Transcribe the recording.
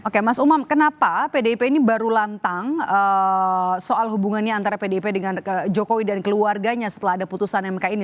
oke mas umam kenapa pdip ini baru lantang soal hubungannya antara pdip dengan jokowi dan keluarganya setelah ada putusan mk ini